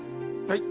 はい。